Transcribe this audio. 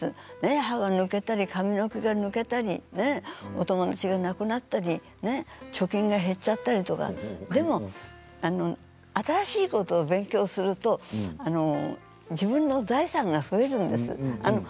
歯が抜けたり髪の毛が抜けたりお友達が亡くなったり貯金が減っちゃったりとかでも新しいことを勉強すると自分の財産が増えるんです。